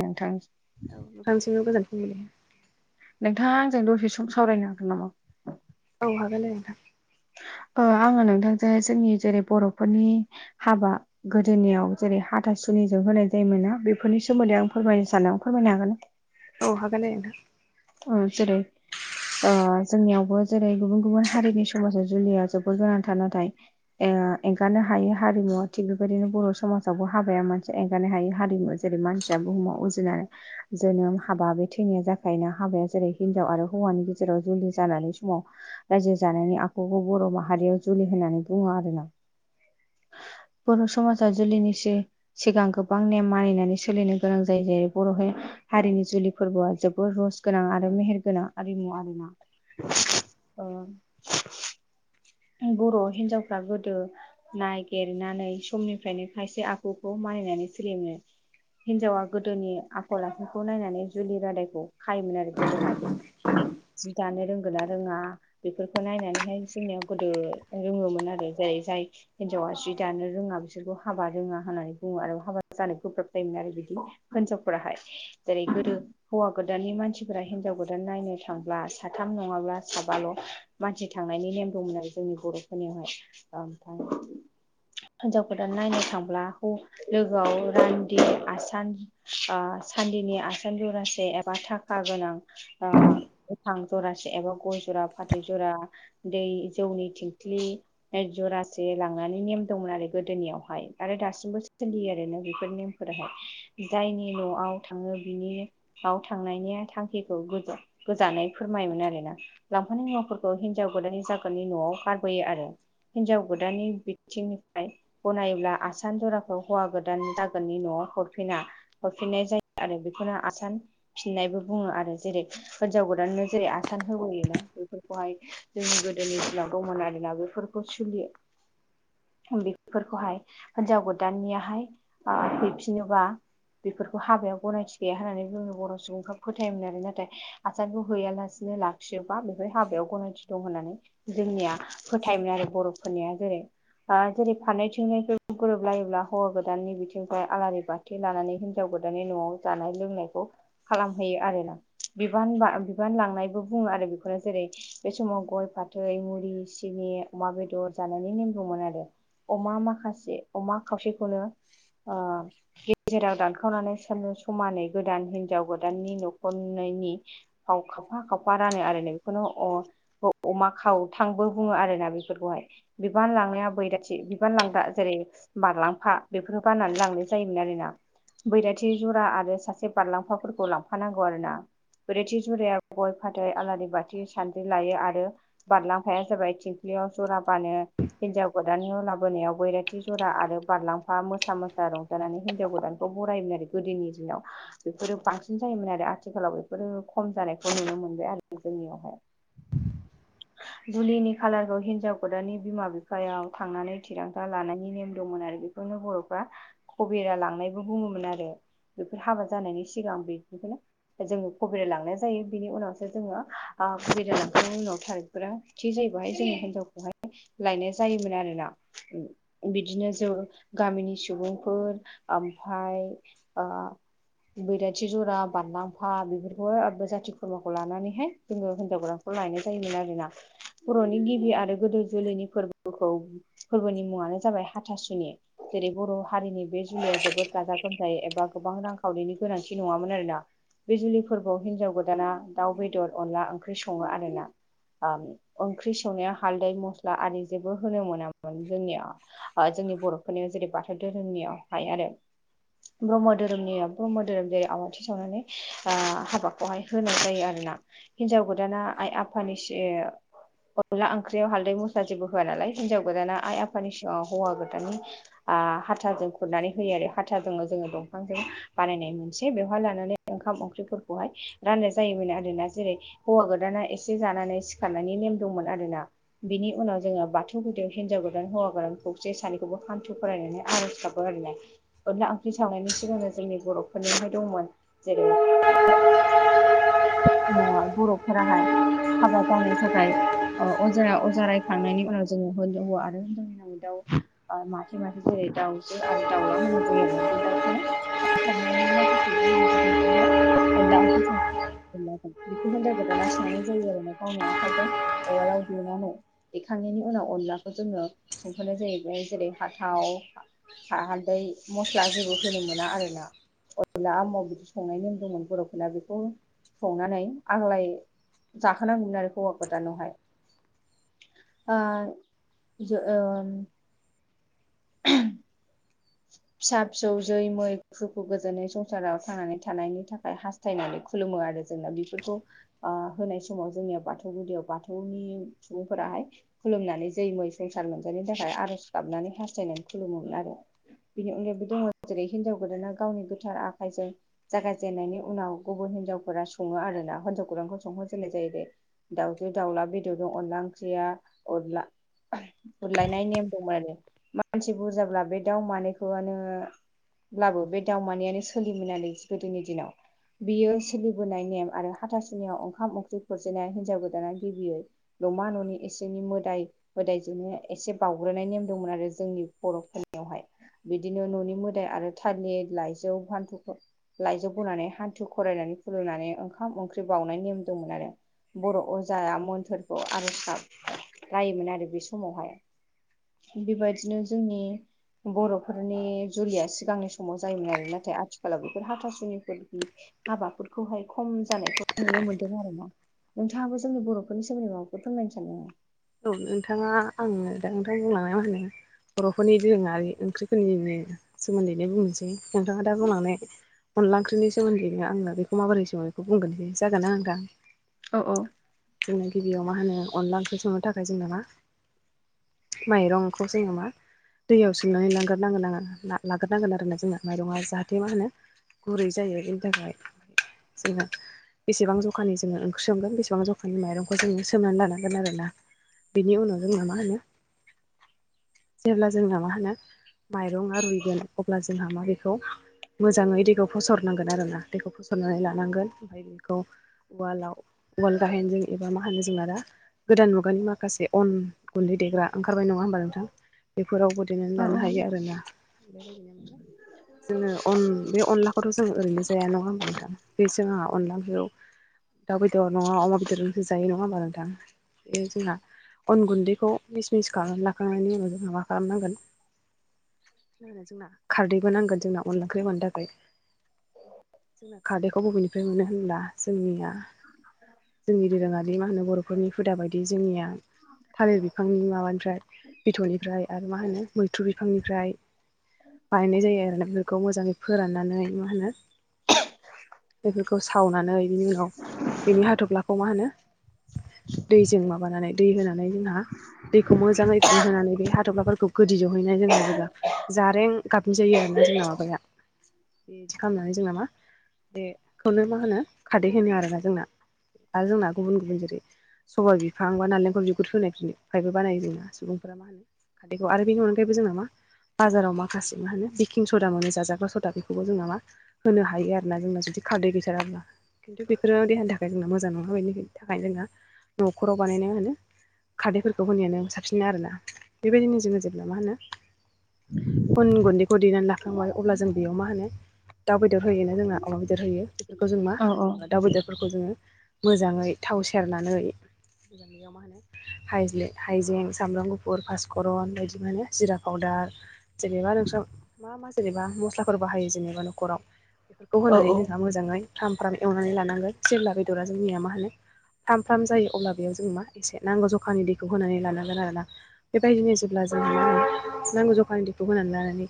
नोंथां [unintelligible] नोंथांआ आंजों दसे सम सावरायनो हागोन नामा? औ हागोन नोंथां। आङो नोंथांजों जोंनि जेरै बर'फोरनि हाबा गोदोनियाव जेरै हाथासुनिजों होनाय जायोमोना बेफोरनि सोमोन्दै आं फोरमायनो सानदों फोरमायनो हागोन ना? औ हागोन दे नोंथां। अ जेरै ओ जोंनियावबो जेरै गुबुन गुबुन हारिनि समाजाव जुलिया जोबोर गोनांथार नाथाय एंगारनो हायि हारिमुवा थिग बेबायदिनो बर' समाजावबो हाबाया मोनानसेया एंगारनो हायो हारिमु। जेरै मानसिया बुहुमाव उजिनानै जोनोम हाबा बे थैनाया जाखायोना। हाबाया जेरै हिनजाव आरो हौवानि गेजेराव जुलि जानानै समाव रायजो जानायनि आखुखौ बर' माहारियाव जुलि होननानै बुङो आरो ना। बर' समाजा जुलिनिसै सिगां गोबां नेम मानिनानै सोलिनो गोनां जायो जेरै बर'हाय हारिनि जुलि फोरबोआ जोबोर रज गोनां आरो मेहेर गोनां आरिमु आरो ना। ओ ओं बर' हिनजावफ्रा गोदो नागिरनानै समनिफ्रायनो खायसे आखुखौ मानिनानै सोलियोमोन। हिनजावा गोदोनि आखल आखुखौ नायनानै जुलि रादायखौ खायोमोन आरो गोदोहाय। जि दानो रोंगोन ना रोङा बेफोरखौ नायनानैहाय जोंनियाव गोदो रोङोमोन आरो जेरै जाय हिन्जावा जि दानो रोङा बिसोरखौ हाबा रोङा होननानै बुङो आरो हाबा जानाय गोब्राब जायोमोन आरो बिदि हिनजावफोराहाय। जेरै गोदो हौवा गोदाननि मानसिफोरा हिनजाव गोदान नायनो थांब्ला साथाम नङाब्ला साबाल' मानसि थांनायनि नेम दंमोन आरो जोंनि बर'फोरनियावहाय ओमफाय हिनजाव गोान नायनो थांब्ला लोगोआव रान्दि आसान ओ सान्दिनि आसान जरासे एबा थाखा गोनां ओ गोथां जरासे एबा गय जरा फाथै जरा दै जौनि थिंख्लि फाय जरासे लांनानै नेम दंमोन आरो गोदोनियावहाय आरो दासिमबो सोलियो आरो ना बेफोर नेम फोरहाय जायनि न'आव थाङो बिनियाव थांनायनि थांखिखौ गजो गोजानै फोरमायोमोन आरोना लांफानाय मुवाफोरखौ हिनजाव गोदाननि जागो फोरनि न'वाव गारबोयो आरो हिनजाव गोदाननि बिथिंनिफ्राय गनायोब्ला आसान जराखौ हौवा गोदान दागोननि न'आव हरफिना। हरफिननाय जायो आरो बेखौनो आसान फिननायबो बुङो आरो जेरै हिनजाव गोदाननो जेरै आसान होबोयोना बेफोरखौहाय जोंनि गोदोनि दिनाव गौमोनारि ना बेफोरखौ सोलियो। बेफोरखौहाय हिन्जाव गोदाननियाहाय हैफिनोबा बेफोरखौ हाबायाव गनायथि गैया होननानै जोंनि बर' सुबुंफ्रा फोथायोमोन आरो नाथाय आसारखौ हैयालासिनो लाखियोबा बेवहाय हाबायाव गनायथि दं होननानै जोंनिया फोथायोमोन आरो बर'फोरनिया जेरै फा जेरै फारनैथिंहायबो गोरोबलायोब्ला हौवा गोदाननि बिथिंफ्राय आलारि बा फुथे लानानै हिन्जाव गोदाननि न'आव जानाय लोंनायखौ खालामहैयो आरोना बिबान बा बिबान लांनायबो बुङो आरो बेखौनो जेरै बे समाव गय फाथै मुरि सिनि अमा बेदर जानायनि नेम दंमोन आरो। अमा माखासे अमा खावसेखौनो ओ गेजेराव दानखावनानै समानै गोदान हिनजाव गोदाननि न'खरनैनि फाव खाबफा खाबफा रानो आरो नै बेखौनो अ खौ अमा खाव थांबो बुङो आर ना बेफोरखौहाय बिबान लांनाया बैराथि बिबान लांग्रा जेरै बारलांफा बेफोर बाननानै लांनाय जायोमोन आरोना। बैराथि जरा आरो सासे बारलांफाफोरखौ लांफानांगौ आरो ना। ब्रैथि जुराया गय फाथै आलारि बाथि सानद्रि लायो आरो बारलांफाया जाबाय थिंख्लियाव जरा बानो। हिन्जाव गोदाननि लाबोनायाव बैराथि जरा आरो बारलांफा मोसा मोसा र जानानै हिनजाव गोदानखौ बरायोमोन आरो गोदोनि दिनाव। बेफोरो बांसिन जायोमोन आरो आथिखालाव बेफोरो खम जानायखौ नुनो मोनबाय आरो जोंनियावहाय। जुलिनि खालारखौ हिन्जाव गोदाननि बिमा बिफायाव थांनानै थिरांथा लानायनि नेम दंमोन आरो बे - खौनो बर'फ्रा कबेरा लांनायबो बुङोमोन आरो। बेफोर हाबा जानायनि सिगां बेफोरखौनो जोङो कबिरा लांनाय जायो बिनि उनावसो जोङो ओ कबिरा लांखांनायनि उनाव थारफोरा थि जायोैबहाय जोङो हिनजावखौहाय लायनाय जायोमोन आरो ना। बिदिनो जो गामिनि सुबुंफोर ओमफाय ओ बैराथि जरा बानलांफा बेफोरखौहाय आरो जाथि खुरमाखौ लानानैहाय जोङोिन्जाव गदानखौ लायनो जायोमोन आरोना। बर'नि गिबि आरो गोदो जुलिनि फोरबोखौ फोरबोनि मुङानो जाबाय हाथासुनि। जेरै बर' हारिनि बे जुलिया जोबोद गाजा गोमजायै एबा गोबां रांखावरिनि गोनांथि नङामोन आरोना। बिजुलि फोरबोआव हिनजाव गोदाना दाउ बेदर अनला ओंख्रि सङो आरोना। ओम ओंख्रि संनायाव हालदै मस्ला आरि जेबो होनो मोना जोंनिया जोंनि बर'फोरनियाव जेरै बाथौ धोरोमनियावहाय आरो। ब्रह्म धोरोमनिया ब्रह्म धोरोम जेरै आवाथि सावनानै ओ हाबाखौहाय होनाय जायो आरो ना। हिन्जाव गोदाना आइ आफादनिसे अनला ओंख्रियाव हालदै मस्ला जेबो होआ नालाय, हिन्जाव गोदाना आइ आफानि सिगाव हौवा गोदाननि आ हाथाजों खुरनानै होयो आरो। हाथाजोंनो जोङो दंफांजों बानायनाय मोनसे बेवहाय लानानै ओंखाम ओंख्रिफोरखौहाय राननाय जायोमोन आरोना। जेरै हौवा गोदाना एसे जानानै सिखारनायनि नेम दंमोन आरो ना। बिनि उनाव जोङो बाथौ गुदियाव हिनजाव गोदान हौवा गोदान खौसे सानैखौबो हान्थु खरायनानै आर'ज गाब [unintelligible] अनला ओंख्रि संनायनि सिगांनो जोंनि बर'फोरनिहाय दंमोन। जेरै ओ बर'फोराहाय हाबा जानो थाखाय ओ अजाया अजा रायखांनायनि उनाव जोङो होनजाव आरो हौवा दाउ ओ मासे मासे जेरै दाउजो आरो दाउला होननाय जायो। बे दाउखौ [unintelligible] [unintelligible] बेखौ होनजाव गोदानआ संनानै जायो आरो गावनि आखाइजों उवालाव देनानै। देखांनायनि उनाव अनलाखौ जोङो संहोनाय जायो। बेहाबाय जेरै हाथाव हा-हालदै मस्ला जेबो होनो मोना आरो ना। अनला आमाव बिदि संनाय नेम दंमोन बर'फोरना बेखौ संनानै आग्लाय जाहो नांगौमोन आरो हौवा गोदानावहाय आ जो ओ [unintelligible] फिसा फिसौ जै मै सुखु गोजोनै संसाराव थांनानै थानायनि थाखाय हास थायनानै खुलुमो आरो जोंना बेफोरखौ ओ होनाय समाव जोंनिया बाथौ गुदियाव बाथौनि सुबुंफोराहाय खुलुमनानै जै मै संसार मोनजानि थाखाय आर'ज गाबनानै हास्थायनानै खुलुमोमोन आरो। बिनि अनगायैबो दङ' जेरै हिनजाव गोदाना गावनि गोथार आखाइजों जागायजेननायनि उनाव गुबुन हिनजावफोरा सङो आरोना। हिन्जाव गोदानखौ संहोजेननाय जाहैबाय। दाउजो दाउला बेदरजों अनला ओंख्रिया अनला खुरलायनाय नेम दंमोन आरो मानसि बुरजाब्ला बे दाउ मानैखौआनो ब्लाबो बे दाव मानैयानो सोलियोमोन आरो गोदोनि दिनाव। बियो सोलिबोनाय नेम आरो हाथासुनियाव ओंखाम ओंख्रि खुरजेननाया हिनजाव गोदाना गिबियै नमा न'नि इसिंनि मोदाय मोदायजोंनो एसे बावग्रोनाय नेम दंमोन आरो जोंनि बर'फोरनि यावहाय, बिदिनो न'नि मोदाय आरो थालिर लाइजौ फान्थुफोर लाइजौ बनानै हान्थु खरायनानै खुलुमनानै ओंखाम ओंख्रि बाउनाय नेम दंमोन आरो। बर' अजाया मोन्थोरखौ आर'ज गाब रायोमोन आरो बे समावहाय। बेबायदिनो जोंनि बर'फोरनि जुलिया सिगांनि समाव जायोमोन आरो। नाथाय आथिखालाव बेफोर हाथासुनिफोरनि हाबाफोरखौहाय खम जानायखौ नुनो मोनदों आरो ना। नोंथाङाबो जोंनि बर'फोरनि सोमोनदै माबाफोर फोरमायनो सानदों नामा? औ नोंथाङा आङो दा नोंथां बुंलांनायाव आङो बर'फोरनि दोरोङारि ओंख्रिफोरनिनो सोमोन्दैनो बुंनोसै। नोंथाङा दा बुंलांनाय अदला ओंख्रिनि सोमोन्दैनो आं बेखौ माबोरै सङो बेखौ बुंग्रोनोसै जागोनना नोंथां? औ औ। जोंनो गिबियाव मा होनो अनला ओंख्रि संनो थाखाय जोंना मा माइरंखौ जोङो मा दैयाव सोमनानै लांगोरनांगोन आरो लाग्रोनांगोन आरो जोंना माइरङा जाहाथे मा होनो गुरै जायो, बेनि थाखाय जोंहा बेसेबां जखानि जोङो ओंख्रि संगोन बेसेबां जखानि माइरंखौ जोङो सोमनानै लानांगोन आरो ना। बेनि उनाव जोंना मा होनो जेब्ला जोंना मा होनो माइरङा रुइगोन अब्ला जोंहा मा बेखौ मोजाङै दैखौ फसरनांगोन आरोना दैखौ फसरनानै लानांगोन। बेखौ उवालाव, उवाल गाहेनजों एबा मा होनो जोंना दा गोदान मुगानि माखासे अन गुन्दै देग्रा ओंखारबाय नङा होमबा नों बेफोरावबो देनानै लानो औ हायो आरोना बेबायदिनो जोङो अन बे अनलाखौथ' जों ओरैनो जाया नङा होनबा नोंथां बे जों आंहा अनला ओंख्रियाव दाउ बेदर नङा अमा बेदरजोंसो जायो नङा होमबा नोंथां? बे जोंहा अन गुन्दैखौ मिस मिस खालामनानै लाखांनायनि उनाव जोंहा मा खालामनांगोन होनो जोंना खारदैबो नांगोन जोंना अनला ओंख्रि मोननो थाखाय। जोंना खारदैखौ बबेनिफ्राय मोनो होनब्ला जोंनिया जोंनि दोरोङारि मा होनो बर'फोरनि हुदा बायदि जोंनिया थालिर बिफांनि माबानिफ्राय बिथरनिफ्राय आरो मा होनो मैथ्रु बिफांनिफ्राय बायनाय जायो आरोना बेफोरखौ मोजाङै फोराननानै मा होनो बेफोरखौ सावनानै बिनि उनाव बिनि हाथफ्लाखौ मा होनो दैजों माबानानै दै होनानै जोंहा दैखौ खौ मोजाङैखौ होनानै बे हाथ'फ्लाफोरखौ गोदि जहैनाय जोंहा जेब्ला जारें गाबनि जायो आरोना जोंना माबाया बेदि खालामनानै जोंना मा बेखौनो मा होनो खारदै होनो आरोना जोंना। आरो जोंना गुबुन गुबुन जेरै सबाइ बिफां बा नारेंखल बिगुर [unintelligible] फायबो बानायो जोंना सुबुंफोरा मा होनो खारदैखौ आरो बेनि अनगायैबो जों ना मा बाजाराव माखासे मा होनो बेकिं सदा मोनो जाजाग्रा सदा बेखौबो जोंना मा होनो हायो आरो ना जोंना जुदि खारदै गैथाराब्ला खिन्थु बेफोरो देहानि थाखाय जोंना मोजां नङा बेनि थाखाय जोंहा न'खराव बानायना होनो खारदैफोरखौ होनायानो साबसिन आरोना बेबायदिनो जोङो जेब्ला मा होनो अन गुन्दै खौ देनानै लाखांबाय अब्ला जों बेयाव मा होनो दाउ बेदर होयोना जोंना अमा बेदर होयो। बेफोरखौ जों मा औ जोङो दाउ बेदरफोरखौ जोङो मोजाङै थाव सेरनानै [unintelligible] मा होनो हाइजें सामब्राम गुफुर पासकरन बायदि मोननो जिरा पादार जेनेबा नोंस्रा मा मा जेनेबा मस्लाफोर बाहायो जेनेबा न'खराव बेफोर खौ औ होनानै जोंहा मोजाङै फ्राम फ्राम एवनानै लानांगोन जेब्ला बेदरा जोंनिया मा होनो फाम फ्राम जायो अब्ला बेयाव जों मा एसे नांगौ जखानि दैखौ होनानै लानांगोन आरोना बेबायदिनो जों अब्ला जों नांगौ जखानि दैखौ होनानै लानानै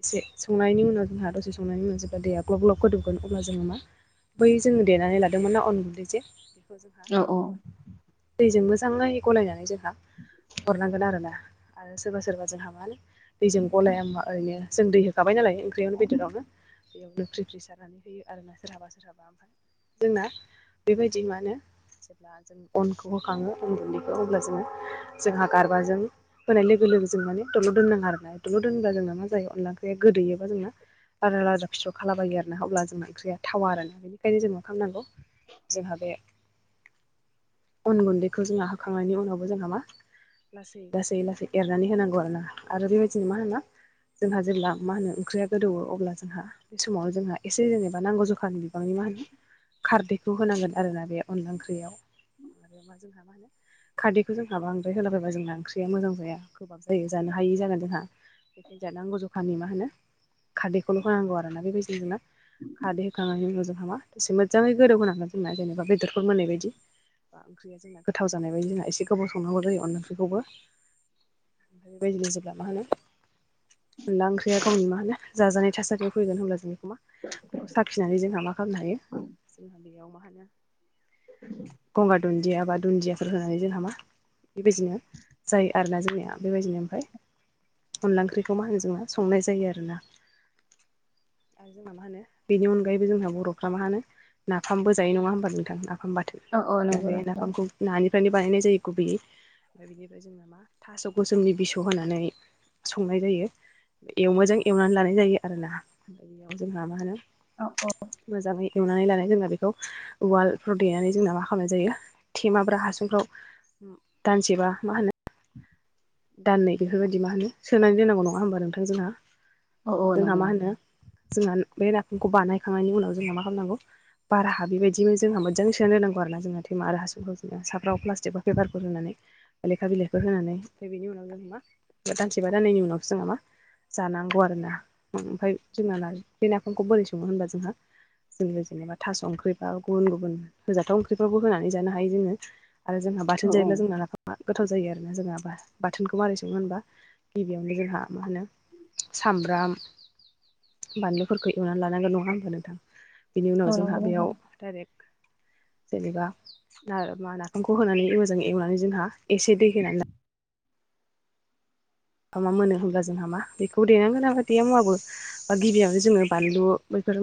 एसे संनायनि उनाव जोंहा दसे संनायनि उनाव जेब्ला दैया ग्लब ग्लब होदोबगोन अब्ला जोङो मा बै जोङो देनानै लादोंमोन ना अन गुन्दै जे बेखौ जोंहा औ औ दैजों मोजाङै गलायनानै जोंहा हरनांगोन आरोना आरो सोरबा सोरबा जोंहा मा होनो दैजों गलाया मुवा ओरैनो जों दै हो खाबाय नालाय ओंख्रियावनो बेदरावनो बेयाव लख्रि फ्रि सारनानै होयो आरो ना [unintelligible] जोंना बेबायदि मा होनो जेब्ला जों अनखौ होखाङो अन गुन्दैखौ अब्ला जोङो जोंहा गारबाजों होनाय लोगो लोगो जों माने दल' दोननाङा आरोना दल' दोनोबबा जोंना मा जायो अनला ओंख्रिया गोदोयोबा जोंना लाथा लाथा फिथर खालाबायो आरोना अब्ला जोंना ओंख्रिया थावा आरोना बेनिखायनो जों मा खालामनांगौ जोंहा बे अन गुन्दैखौ जोंहा होखांनायनि उनावबो जोंहा मा लासै लासै लासै एरनानै होनांगौ आरोना आरो बेबायदिनो मा होनो जोंहा जेब्ला मा होनो ओंख्रिया गोदौवो अब्ला जोंहा बे समाव जोंहा एसे जेनेबा नांगौ जखानि गोबांनि मा होनो खारदैखौ होनांगोन आरोना बे अनला ओंख्रियाव आरोबा जोंहा मा होनो खारदैखौ जोंहा बांद्राय होलाबायबा जोंना ओंख्रिया मोजां जाया गोबाब जायो जानो हायि जागोन जोंहा जानांगौ जखानि मा होनो खारदैखौल' होनांगौ आरो ना बेबायदिजोंनो खारदै होखांनायनि उनाव जोंहा मा दसे मोजाङै गोदौ होनांगोन जोंना जेनेबा बेदरफोर मोननाय बायदि। ओंख्रिया जोंना गोथाव जानाय बायदि जोंहा एसे गोबाव संनांगौ जायो अनला ओंख्रिखौबो। ओमफ्राय बेबायदिनो जेब्ला मा होनो अनला ओंख्रिया गावनि मा होनो जाजानाय थासारियाव फैगोन होनब्ला जोंनि बेखौ मा साखिनानै जोंहा मा खालामनो हायो जोंहा बेयाव मा होनो गंगार दुन्जिया बा दुन्जियाफोर होनानै जोंहा मा बेबायदिनो जायो आरोना जोंनिया बेबायदिनो ओमफ्राय अनला ओंख्रिखौ मा होनो जोंना संनाय जायो आरोना आरो जोंना मा होनो बेनि अनगायैबो जोंहा बर'फ्रा मा होनो नाफामबो जायो नङा होमबा नोंथां नाफाम बाथोन। औ औ बे नंगौ नाफामखौ नानिफ्रायनो बानायनाय जायो गुबैैयै ओमफ्राय बिनि ओमफ्राय जोंना मा थास' गोसोमनि बिसौ होनानै संनाय जायो। इदि मोजां एवनानै लानाय जायो आरोना बेयाव जोंहा मा होनो औ औ। मोजाङै एवनानै लानाय जोंना बेखौ उवालफ्राव देनानै जोंना मा खालामनाय जायो। थेमाब्रा हासुंफ्राव दानसेबा मा होनो दाननै बेफोरबायदि मा होनो सोनानै दोननांगौ नङा होमबा नोंथां जोंहा। औ औ जोंहा नंगौ मा होनो जोंहा बे नाफामखौ बानायखांनायनि उनाव जोंहा मा खालामनांगौ बार हाबै बायदिनो जोंहा मोजां सोनानै दोननांगौ आरोना जों थेमा आरो हासुंफ्राव जोङो साफ्राव प्लास्टिक बा पेपारफोर होनानै। लेखा बिलाइफोर होनानै बेनि उनाव जों मा दानसेबा दाननैनि उनावसो जों मा जानांगौ आरोना ओमफ्राय जोंना बे नाफामखौ बोरै सङो होनबा जोंहा जोङो जेनेबा थास' ओंख्रिबा गुबुन गुबुन होजाथाव ओंख्रिफ्रावबो होनानै जानो हायो जोङो। आरो जोंहा औ बाथोन जायोब्ला जोंना नाफामा गोथाव जायो आरोना जोंहाबा। बाथोनखौ मारै सङो होनबा गिबियावनो जोंहा मा होनो सामब्राम बानलुफोरखौ एवनानै लानांगोन नङा होमबा नोंथां। बेनि उनाव औ जोंहा नंगौ बेयाव नोंथां डाइरेक्ट जेनेबा नाफामखौ होनानै मोजां एवनानै जोंहा एसे दै होनानै ला मा मोनो होनब्ला जोंहा मा बेखौ देनानै होनांगोन देआ मुआबो बा गिबियावनो जोङो बानलु बैफोर